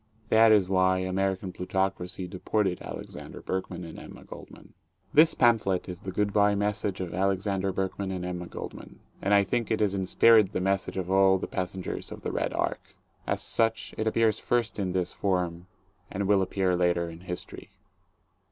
That is why American plutocracy deported Alexander Berkman and Emma Goldman. This pamphlet is the "good bye message" of Alexander Berkman and Emma Goldman; and I think it is in spirit the message of all the passengers of the "Red Ark." As such it appears first in this form and will appear later in history.